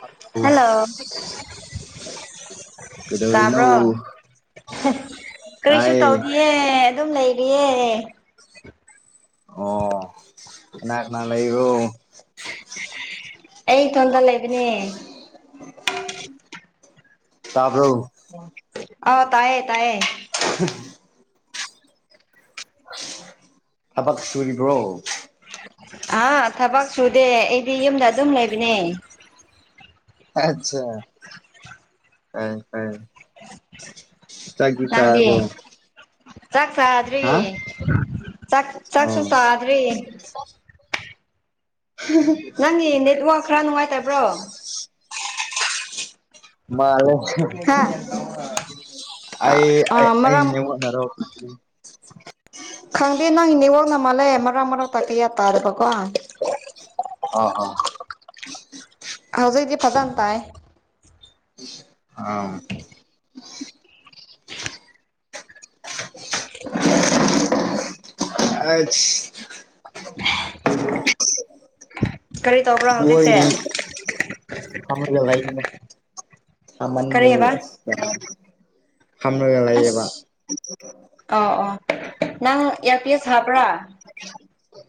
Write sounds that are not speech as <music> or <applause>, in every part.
ꯍꯠꯂꯣ hello ꯀꯩꯗꯧꯔꯤꯅꯣ ꯇꯥꯕ꯭ꯔꯣ ꯇꯥꯏꯌꯦ ꯑꯦ ꯑꯗꯨꯝ ꯂꯩꯔꯤꯌꯦ ꯑꯣ ꯀꯅꯥ ꯀꯅꯥ ꯂꯩꯔꯤꯔꯣ ꯑꯩ ꯏꯇꯣꯟꯗ ꯂꯩꯕꯅꯦ ꯇꯥꯕ꯭ꯔꯣ ꯑꯣ ꯇꯥꯏꯌꯦ ꯇꯥꯏꯌꯦ <unintelligible> ꯑꯁ ꯊꯕꯛ ꯁꯨꯔꯤꯕ꯭ꯔꯣ ꯑ ꯊꯕꯛ ꯁꯨꯗꯦ ꯑꯩꯗꯤ ꯌꯨꯝꯗ ꯑꯗꯨꯝ ꯂꯩꯕꯅꯦ ꯑꯠꯆꯥ <unintelligible> ꯆꯥꯛꯗꯤ ꯅꯪꯗꯤ ꯆꯥꯔꯕꯣ ꯆꯥꯛ ꯆꯥꯗ꯭ꯔꯤ ꯍꯥ ꯆꯥꯛ ꯆꯥꯛꯁꯨ ꯑꯣ ꯆꯥꯗ꯭ꯔꯤ <unintelligible> <unintelligible> ꯅꯪꯒꯤ ꯅꯦꯠꯋꯥꯛ ꯈꯔ ꯅꯨꯡꯉꯥꯏꯇꯕ꯭ꯔꯣ ꯃꯥꯜꯂꯦ ꯍꯥ ꯑꯩ ꯑꯩ ꯑꯥ ꯑꯩꯒꯤ ꯃꯔꯝ ꯅꯦꯠꯋꯥꯛꯅꯔꯣ ꯈꯪꯗꯦ ꯅꯪꯒꯤ ꯅꯦꯠꯋꯥꯛꯅ ꯃꯥꯜꯂꯦ ꯃꯔꯛ ꯃꯔꯛ ꯇ ꯀꯌꯥ ꯇꯥꯔꯕꯀꯣ ꯑꯥ ꯑꯥ ꯍꯧꯖꯤꯛꯗꯤ ꯐꯖꯟ ꯇꯥꯏ ꯑꯥꯎꯝ <unintelligible> ꯀꯔꯤ ꯇꯧꯕ꯭ꯔꯣ ꯍꯧꯖꯤꯛꯁꯦ ꯐꯃꯨꯡꯗ ꯂꯩꯕꯅꯦ ꯀꯔꯤ ꯁꯃꯟꯕꯒꯤ ꯍꯥꯏꯕ ꯑꯁ ꯐꯝꯔꯒ ꯂꯩꯌꯦꯕ ꯑꯁ ꯑꯣ ꯑꯣ ꯅꯪ ꯏꯌꯔ ꯄꯤꯁ ꯍꯥꯞꯕ꯭ꯔꯥ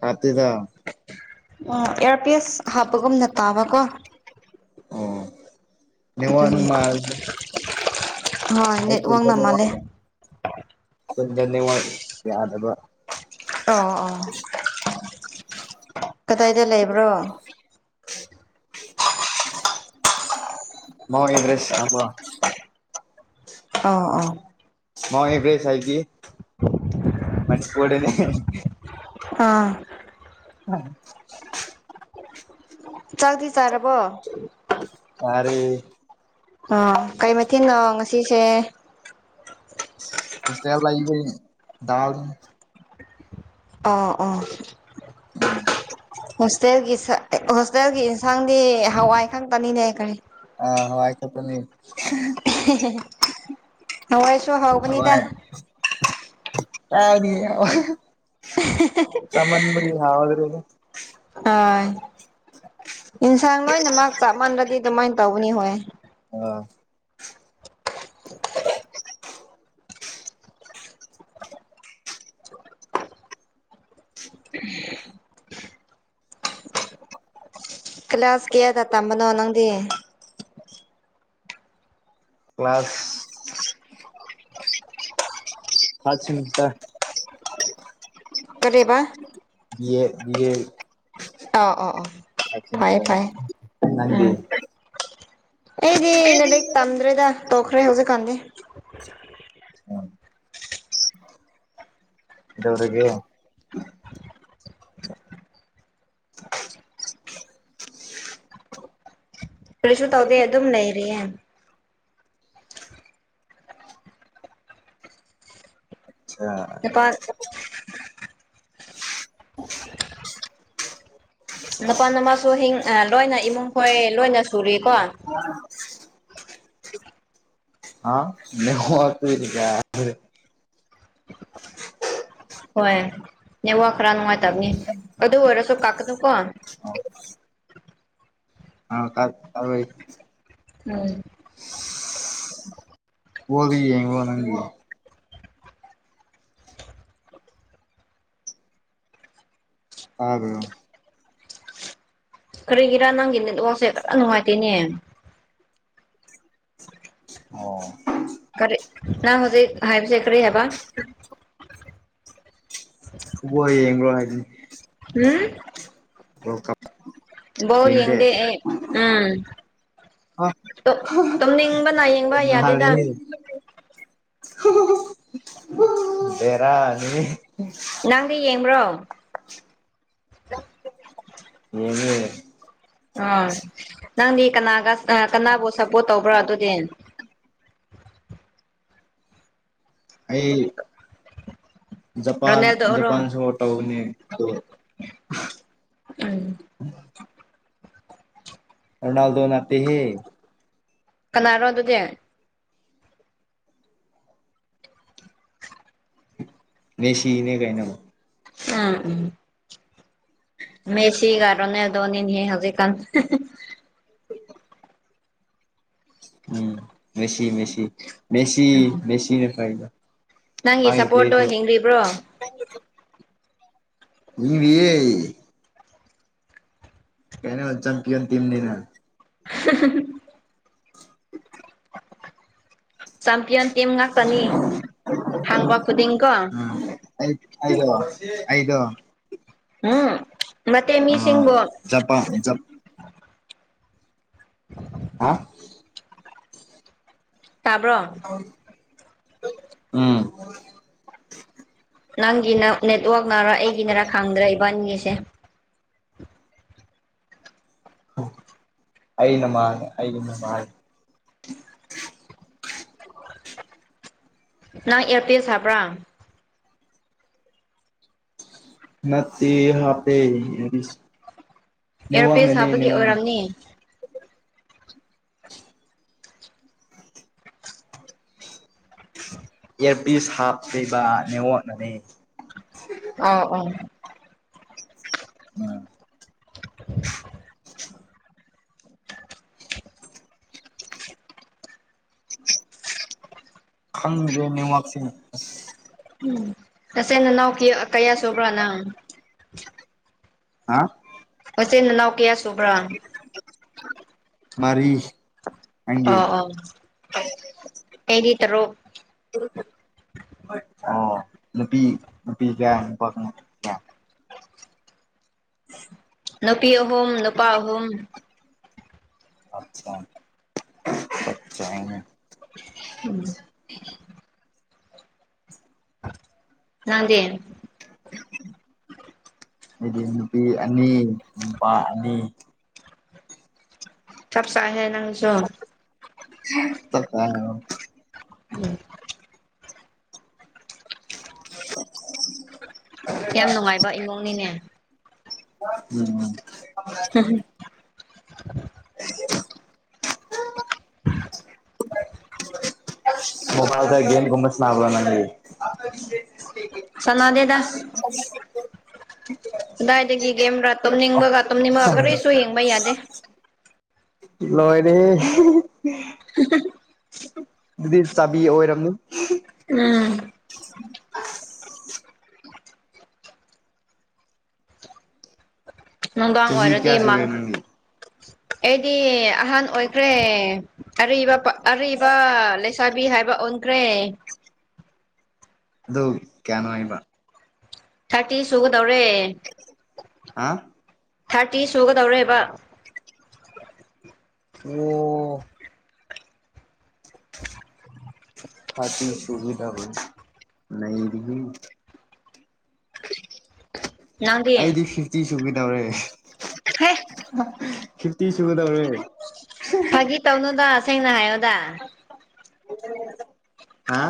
ꯍꯥꯞꯇꯦꯗ ꯑꯣ ꯏꯌꯔꯄꯤꯁ ꯍꯥꯞꯄꯒꯨꯝꯅ ꯇꯥꯕꯀꯣ ꯑꯣ ꯅꯦꯠꯋꯥꯛꯅ ꯑꯗꯨꯒꯤ ꯃꯥꯜꯂꯤꯍꯦ ꯍꯣꯏ ꯑꯩ ꯈꯨꯟꯗꯣ ꯅꯦꯠꯋꯥꯛꯅ ꯃꯥꯜꯂꯦ ꯅꯦꯠꯋꯥꯛ ꯈꯨꯟꯗ ꯅꯦꯠꯋꯥꯛ ꯌꯥꯗꯕ ꯑꯣ ꯑꯣ ꯀꯗꯥꯏꯗ ꯂꯩꯕ꯭ꯔꯣ <inaudible> ꯃꯥꯎꯟ ꯑꯦꯚꯔꯦꯁ ꯈꯪꯕ꯭ꯔꯥ ꯑꯧ ꯑꯧ ꯃꯥꯎꯟ ꯑꯦꯚ꯭ꯔꯦꯁ ꯍꯥꯏꯁꯤ ꯃꯅꯤꯄꯨꯔꯗꯅꯦ ꯑꯥ <unintelligible> ꯆꯥꯛꯇꯤ ꯆꯥꯔꯕꯣ? ꯆꯥꯔꯦ꯫ ꯑꯣ ꯀꯩ ꯃꯊꯦꯟꯅꯣ ꯉꯁꯤꯁꯦ? ꯍꯣꯁꯇꯦꯜ ꯂꯩꯕꯅꯤ ꯗꯥꯜꯅꯦ꯫ ꯑꯣ ꯑꯣ ꯍꯣꯁ ꯇꯦꯜꯒꯤ ꯍꯣꯁꯇꯦꯜꯒꯤ ꯌꯦꯟꯁꯥꯡꯗꯤ ꯍꯋꯥꯏ ꯈꯛꯇꯅꯤꯅꯦ ꯀꯔꯤ, ꯑꯥ ꯍꯋꯥꯏ ꯈꯛꯇꯅꯤ꯫ ꯍꯋꯥꯏꯁꯨ ꯍꯥꯎꯕꯅꯤꯗ꯫ ꯀꯔꯥꯏꯗꯒꯤ ꯍꯋꯦ꯫ <unintelligible> ꯆꯥꯃꯟꯕꯒꯤ ꯍꯥꯎ꯭ꯗ꯭ꯔꯦꯗ꯫ ꯑꯥ ꯏꯟꯁꯥꯡ ꯂꯣꯏꯅꯃꯛ ꯆꯞ ꯃꯥꯟꯅꯔꯗꯤ ꯑꯗꯨꯃꯥꯏꯅ ꯇꯧꯕꯅꯤ ꯍꯣꯏ꯫ <unintelligible> ꯀ꯭ꯂꯥꯁ ꯀꯌꯥꯗꯥ ꯇꯝꯕꯅꯣ ꯅꯪꯗꯤ? Class third semester. ꯀꯔꯤꯕ? ꯌꯦ ꯌꯦ꯫ ꯑꯥ ꯑꯥ ꯑꯥ ꯐꯩꯌꯦ ꯐꯩꯌꯦ <unintelligible> ꯅꯪꯗꯤ? ꯎꯝ ꯑꯩꯗꯤ ꯂꯥꯏꯔꯤꯛ ꯇꯝꯗ꯭ꯔꯦꯗ ꯇꯣꯛꯈ꯭ꯔꯦ ꯍꯧꯖꯤꯛꯀꯥꯟꯗꯤ꯫ ꯀꯩꯗꯧꯔꯒꯦ? ꯀꯔꯤꯁꯨ ꯇꯧꯗꯦ ꯑꯗꯨꯝ ꯂꯩꯔꯤꯌꯦ꯫ ꯑꯠꯆꯥ꯫ ꯅꯦꯄꯥꯜ꯫ ꯅꯄꯥ ꯅꯃꯥꯁꯨ ꯍꯤꯡ ꯂꯣꯏꯅ ꯏꯃꯨꯡ ꯈꯣꯏ ꯂꯣꯏꯅ ꯁꯨꯔꯤꯀꯣ? <unintelligible> ꯍꯥ ꯅꯦꯋꯥꯛ ꯇꯨꯗꯤ ꯌꯥꯗ꯭ꯔꯦꯗ꯫ ꯍꯣꯏ ꯅꯦꯋꯥꯛ ꯈꯔꯥ ꯅꯨꯡꯉꯥꯏꯇꯕꯅꯤ ꯑꯗꯨ ꯑꯣꯏꯔꯁꯨꯣ ꯀꯛꯀꯥꯅꯨꯀꯣ꯫ <unintelligible> ꯑꯥ ꯀꯠ ꯑꯔꯨꯏ꯫ ꯎꯝ ꯕꯣꯜꯗꯤ ꯌꯦꯡꯕ꯭ꯔꯣ ꯅꯪꯗꯤ? ꯇꯥꯗꯔꯣ? ꯀꯔꯤꯒꯤꯔꯥ ꯅꯪꯒꯤ ꯅꯦꯠꯋꯥꯛꯁꯦ ꯐꯖꯅ ꯅꯨꯡꯉꯥꯏꯇꯦꯅꯦ꯫ ꯑꯣ ꯀꯔꯦ ꯅꯪ ꯍꯧꯖꯤꯛ ꯍꯥꯏꯕꯤꯁꯦ ꯀꯔꯤ ꯍꯥꯏꯕ? <unintelligible> ꯐꯨꯠꯕꯣꯜ ꯌꯦꯡꯕ꯭ꯔꯣ ꯍꯥꯏꯕꯅꯤ꯫ ꯍꯨꯝ꯫ ꯋꯥꯜꯀꯞ꯫ ꯕꯣꯜ ꯌꯦꯡꯗꯦ ꯑꯩ ꯎꯝ꯫ ꯇꯨꯝꯅꯤꯡꯕꯅ ꯌꯦꯡꯕ <unintelligible> ꯌꯥꯗꯦꯗ ꯅꯥꯜꯂꯤꯍꯦ꯫ <unintelligible> ꯕꯦꯔꯥꯅꯤꯍꯦ꯫ ꯅꯪꯗꯤ ꯌꯦꯡꯕ꯭ꯔꯣ? ꯌꯦꯡꯉꯦ ꯑꯪ ꯅꯪꯗꯤ ꯀꯅꯥꯒ <unintelligible> ꯀꯅꯥꯕꯨ ꯁꯞꯄꯣꯔꯠ ꯇꯧꯕ꯭ꯔꯥ ꯑꯗꯨꯗꯤ ꯑꯩ ꯖꯄꯥꯟ ꯖꯄꯥꯟ ꯔꯣꯅꯦꯜꯗꯣꯔꯣ ꯁꯄꯣꯔꯠ ꯇꯧꯕꯅꯤ ꯑꯗꯨ ꯎꯝ ꯔꯣꯅꯥꯜꯗꯣ ꯅꯠꯇꯦꯍꯦ ꯀꯅꯥꯔꯣ ꯑꯗꯨꯗꯤ ꯃꯦꯁꯤꯒꯤꯅꯦ ꯀꯩꯅꯣ ꯎꯝ ꯃꯦꯁꯤꯒꯥ ꯔꯣꯅꯥꯜꯗꯣꯅꯤ ꯅꯍꯦ ꯍꯧꯖꯤꯛ ꯀꯥꯟ <unintelligible> <unintelligible> ꯎꯝ ꯃꯦꯁꯤ ꯃꯦꯁꯤ ꯃꯦꯁꯤ ꯎꯝ ꯃꯦꯁꯤꯅꯥ ꯐꯩꯕꯥ ꯅꯪꯒꯤ ꯁꯥꯄꯣꯔꯠꯇꯣ ꯍꯤꯡꯔꯤꯕ꯭ꯔꯣ ꯍꯤꯡꯔꯤꯌꯦ ꯀꯩꯅꯣ ꯆꯝꯄꯤꯌꯣꯟ ꯇꯝꯅꯤꯅꯥ <unintelligible> ꯆꯝꯄꯤꯌꯣꯟ ꯇꯤꯝ ꯉꯥꯛꯇꯥꯅꯤ ꯍꯪꯕꯥ ꯈꯨꯗꯤꯡ ꯀꯣ ꯎꯝ ꯑꯩ <unintelligible> ꯑꯩꯗꯣ <unintelligible> ꯅꯠꯇꯦ ꯑꯥ ꯃꯤꯁꯤꯡꯕꯨ ꯖꯄꯥꯟ ꯖꯞ ꯍꯥ ꯇꯥꯕ꯭ꯔꯣ ꯎꯝ ꯅꯪꯒꯤꯅ ꯅꯦꯠꯋꯥꯛ ꯅꯥꯔꯥ ꯑꯩꯒꯤ ꯅꯥꯔꯥ ꯈꯪꯗ꯭ꯔꯦ ꯏꯕꯥꯟꯅꯤꯒꯤꯁꯦ ꯑꯩꯅ ꯃꯥꯜꯂꯦ ꯑꯩꯩꯒꯤꯅꯥ ꯃꯥꯜꯂꯦ ꯅꯪ ꯑꯦꯌꯥꯔꯄꯤꯁ ꯍꯥꯞꯄ꯭ꯔꯥ ꯅꯠꯇꯦ ꯍꯥꯞꯄꯦ ꯑꯦꯌꯔꯄꯤꯁ ꯏꯌꯥꯔꯄꯤꯁ ꯅꯦꯋꯥꯛꯅꯥꯅꯦ ꯍꯥꯞꯄꯒꯤ ꯅꯦꯋꯥꯛ ꯑꯣꯏꯔꯝꯅꯤ ꯏꯌꯥꯔꯄꯤꯁ ꯍꯥꯞꯇ꯭ꯔꯤꯕꯥ ꯅꯦꯋꯥꯛꯅꯥꯅꯦ ꯑꯥꯎ ꯑꯥꯎ <unintelligible> ꯈꯪꯗ꯭ꯔꯦ ꯅꯦꯋꯥꯛꯁꯦ ꯎꯝ ꯅꯥꯆꯤꯟ ꯅꯥꯅꯥꯎ ꯀ꯭ꯌꯥ ꯀꯌꯥ ꯁꯨꯕ꯭ꯔꯥ ꯅꯪ ꯍꯥ ꯅꯥꯆꯤꯟ ꯅꯅꯥꯎ ꯀ꯭ꯌꯥ ꯁꯨꯕ꯭ꯔꯥ ꯃꯥꯔꯤ ꯑꯧ ꯑꯧ ꯑꯩꯗꯤ ꯇꯥꯔꯨꯛ <unintelligible> ꯑꯣ ꯅꯨꯄꯤ ꯅꯨꯄꯤ ꯀ꯭ꯌꯥ ꯅꯨꯄꯥ ꯀꯌꯥ <unintelligible> ꯅꯨꯄꯤ ꯑꯍꯨꯝ ꯅꯨꯄꯥ ꯑꯍꯨꯝ ꯑꯠꯁꯥ ꯆꯥꯢꯅꯦ ꯎꯝ ꯅꯪꯗꯤ ꯑꯩꯗꯤ ꯅꯨꯄꯤ ꯑꯅꯤ ꯅꯨꯄꯥ ꯑꯅꯤ ꯆꯥꯞ ꯆꯥꯏꯍꯦ ꯅꯪꯁꯨ ꯆꯥꯛ ꯆꯥꯔꯕꯣ ꯎꯝ <inaudible> ꯌꯥꯝ ꯅꯨꯡꯉꯥꯏꯕ ꯏꯃꯨꯡꯅꯤꯅꯦ ꯎꯝ <inaudible> ꯃꯣꯕꯥꯏꯜꯗꯥ ꯒꯦꯝ ꯒꯨꯝꯕꯥ ꯁꯥꯟꯅꯥꯕ꯭ꯔꯥ ꯅꯪꯗꯤ ꯁꯥꯅꯥꯗꯦꯗꯥ <unintelligible> ꯀꯗꯥꯏꯗꯥꯒꯤ ꯒꯦꯝꯔꯥ ꯇꯨꯝꯅꯤꯡꯕꯥꯒ ꯇꯨꯝꯅꯤꯡꯕꯥꯒ ꯀꯔꯤꯁꯨ ꯌꯦꯡꯕꯥ ꯌꯥꯗꯦ ꯂꯣꯏꯔꯦꯍꯦ <unintelligible> ꯗꯨꯗꯤ ꯆꯥꯕꯤ ꯑꯣꯏꯔꯝꯅꯤ ꯎꯝ ꯅꯨꯡꯗꯥꯡ ꯆꯍꯤ ꯑꯣꯏꯔꯗꯤ ꯀꯌꯥ ꯁꯨꯔꯦ ꯃꯝꯈ꯭ꯔꯦ ꯅꯪꯒꯤ ꯑꯩꯗꯤ ꯑꯍꯥꯟ ꯑꯣꯏꯈ꯭ꯔꯦ ꯑꯔꯤꯕ ꯄꯛ ꯑꯔꯤꯕ ꯂꯩꯁ ꯁꯥꯕꯤ ꯍꯥꯏꯕ ꯑꯣꯟꯈ꯭ꯔꯦ ꯑꯗꯨ ꯀ꯭ꯌꯥꯅꯣ ꯍꯥꯏꯕ ꯊꯥꯔꯇꯤ ꯁꯨꯒꯗꯧꯔꯦ ꯍꯥ ꯊꯥꯔꯇꯤ ꯁꯨꯒꯗꯧꯔꯦꯕ ꯑꯣ ꯊꯥꯔꯇꯤ ꯁꯨꯒꯗꯕ ꯅꯩꯔꯤꯍꯦ <inaudible> ꯅꯪꯗꯤ ꯑꯩꯗꯤ ꯐꯤꯐꯇꯤ ꯁꯨꯒꯗꯧꯔꯦ ꯍꯦ ꯐꯤꯐꯇꯤ ꯁꯨꯨꯒꯗꯧꯔꯦ ꯐꯥꯒꯤ ꯇꯧꯅꯨꯗ ꯁꯦꯡꯅ ꯍꯥꯏꯌꯣꯗ ꯍꯥ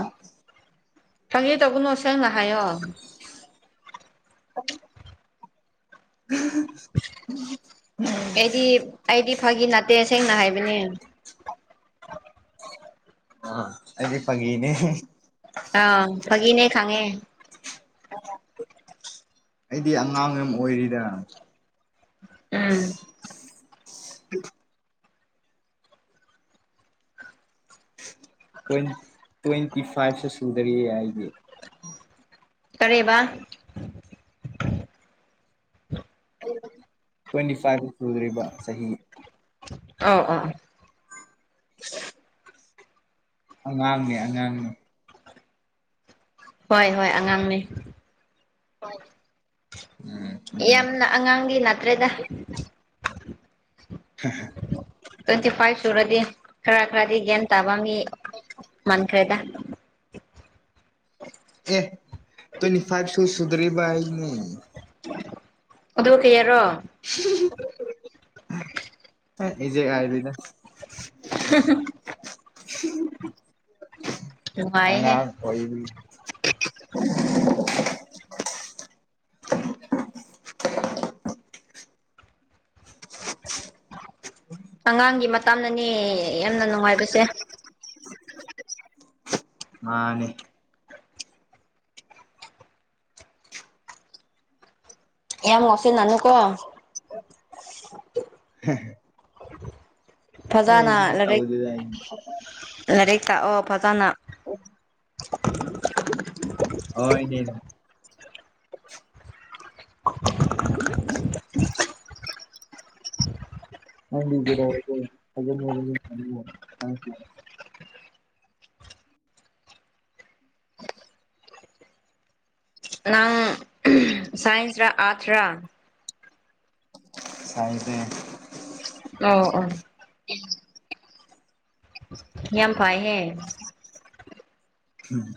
ꯐꯪꯒꯤ ꯇꯧꯒꯅꯣ ꯁꯦꯡꯅ ꯍꯥꯏꯌꯣ <inaudible> ꯑꯩꯗꯤ ꯑꯩꯗꯤ ꯐꯥꯒꯤ ꯅꯠꯇꯦ ꯁꯦꯡꯅ ꯍꯥꯏꯕꯅꯦ ꯑꯥ ꯑꯩꯗꯤ ꯐꯥꯒꯤꯅꯦ ꯑꯪ ꯐꯥꯒꯤꯅꯦ ꯈꯪꯉꯦ <inaudible> ꯑꯩꯗꯤ ꯑꯉꯥꯡ ꯌꯥꯝ ꯑꯣꯏꯔꯤꯗ ꯎꯝ <inaudible> ꯇ꯭ꯋꯦꯟ ꯇ꯭ꯋꯦꯟꯇꯤ ꯐꯥꯏꯚꯁꯨ ꯁꯨꯗꯔꯤꯌꯦ ꯑꯩꯗꯤ ꯀꯥꯔꯦꯕ ꯇ꯭ꯋꯦꯟꯇꯤ ꯐꯥꯏꯚ ꯁꯨꯗ꯭ꯔꯤꯕ ꯆꯍꯤ ꯑꯧ ꯑꯥ ꯑꯉꯥꯡꯅꯦ ꯑꯉꯥꯡ ꯍꯣꯏ ꯍꯣꯏ ꯑꯉꯥꯡꯅꯦ ꯍꯣꯏ ꯌꯥꯝꯅ ꯑꯉꯥꯡꯗꯤ ꯅꯠꯇ꯭ꯔꯦꯗ <unintelligible> ꯇ꯭ꯋꯦꯟꯇꯤ ꯐꯥꯏꯚ ꯁꯨꯔꯗꯤ ꯈꯔ ꯈꯔꯗꯤ ꯒ꯭ꯌꯥꯟ ꯇꯥꯕ ꯃꯤ ꯃꯥꯟ ꯈ꯭ꯔꯦꯗ <inaudible> ꯑꯦ ꯇ꯭ꯋꯦꯟꯇꯤ ꯐꯥꯏꯚꯁꯨ ꯁꯨꯗ꯭ꯔꯤꯕ ꯑꯩꯅꯦ ꯑꯗꯨ ꯀꯩꯌꯥꯔꯣ <unintelligible> <inaudible> ꯍꯩꯠ ꯔꯤꯖꯦꯛ ꯑꯥꯏꯗꯤꯅꯦ <unintelligible> ꯅꯨꯡꯉꯥꯏꯍꯦ ꯑꯉꯥꯡ ꯑꯣꯏꯕꯒꯤ ꯑꯉꯥꯡꯒꯤ ꯃꯇꯝꯅꯅꯦ ꯌꯥꯝꯅ ꯅꯨꯡꯉꯥꯏꯕꯁꯦ ꯃꯥꯅꯤ ꯌꯥꯝ ꯉꯥꯎꯁꯤꯟꯅꯅꯨ ꯀꯣ <unintelligible> ꯑꯦ ꯐꯖꯅ ꯑꯗꯨꯃꯥꯏ ꯂꯥꯏꯔꯤꯛ ꯇꯧꯗꯦꯗ ꯑꯩꯗꯤ ꯂꯥꯏꯔꯤꯛ ꯇꯥꯛꯑꯣ ꯐꯖꯅ ꯑꯣ ꯍꯣꯏ ꯅꯦꯅꯦ <unintelligible> ꯅꯪꯗꯤ ꯀꯩꯗꯧꯔꯤꯒꯦ ꯑꯗꯨꯝ ꯑꯗꯨꯝ <unintelligible> ꯇꯥꯛꯁꯇꯣ ꯅꯪ ꯁꯥꯏꯟꯁ ꯔ ꯑꯥꯔꯠꯁ ꯔ ꯁꯥꯏꯟꯁꯅꯦ ꯑꯣ ꯑꯣ ꯎꯝ ꯌꯥꯝ ꯐꯥꯏ ꯍꯦ ꯎꯝ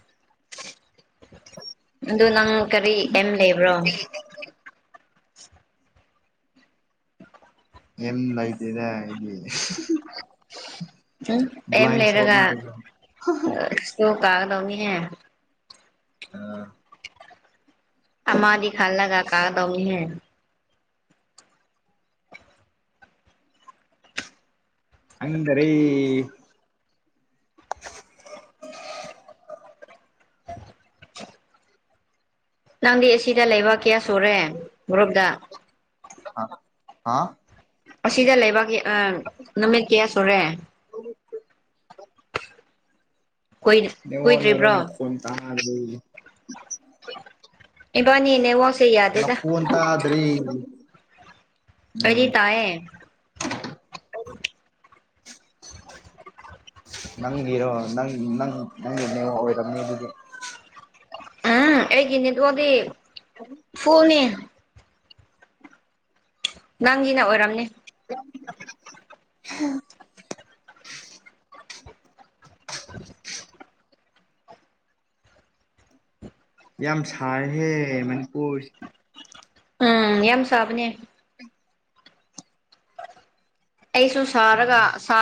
ꯑꯗꯨ ꯅꯪ ꯀꯔꯤ ꯑꯦꯝ ꯂꯩꯕ꯭ꯔꯣ ꯑꯦꯝ ꯂꯩꯇꯦꯗ ꯑꯩꯗꯤ ꯎꯝ ꯑꯦꯝ ꯕ꯭ꯂꯥꯏꯟ ꯂꯩꯔꯒ ꯁꯣꯠꯅꯤ ꯀꯩꯅꯣ ꯑꯁ꯭ꯀꯨꯜ ꯀꯥꯒꯗꯧꯅꯤꯍꯦ ꯑꯥ ꯑꯃꯥꯗꯤ ꯈꯜꯂꯒ ꯀꯥꯒꯗꯧꯅꯤꯍꯦ ꯈꯪꯗꯔꯦ ꯅꯪꯗꯤ ꯑꯁꯤꯗ ꯂꯩꯕ ꯀꯌꯥ ꯁꯨꯔꯦ ꯒ꯭ꯔꯨꯞꯇ ꯑꯥ ꯍꯥ ꯑꯁꯤꯗ ꯂꯩꯕꯥꯒꯤ ꯑꯥ ꯅꯨꯃꯤꯠ ꯀꯌꯥ ꯁꯨꯔꯦ <unintelligible> ꯅꯦꯠꯋꯥꯛ ꯅꯔꯣ ꯀꯨꯏꯗ꯭ꯔꯤꯕ꯭ꯔꯣ ꯅꯈꯣꯟ ꯇꯥꯗꯦ ꯏꯕꯥꯅꯤ ꯅꯦꯋꯥꯛꯁꯦ ꯌꯥꯗꯦꯗ ꯑꯗ꯭ꯔꯤ ꯑꯩꯗꯤ ꯇꯥꯌꯦ ꯅꯪꯒꯤꯔꯣ ꯅꯪ ꯅꯪ ꯅꯪꯒꯤ ꯅꯦꯠꯋꯥꯛ ꯑꯣꯏꯔꯝꯅꯤ ꯑꯗꯨꯗꯤ ꯑꯥ ꯑꯩꯒꯤ ꯅꯦꯠꯋꯥꯛꯇꯤ ꯐꯨꯜꯅꯤ ꯅꯪꯒꯤꯅ ꯑꯣꯏꯔꯝꯅꯤ <unintelligible> ꯌꯥꯝ ꯁꯥꯏꯍꯦ ꯃꯅꯤꯄꯨꯔꯁꯤꯗꯤ ꯎꯝ ꯌꯥꯝ ꯁꯥꯕꯅꯦ ꯑꯩꯁꯨ ꯁꯥꯔꯒ ꯑꯁꯥ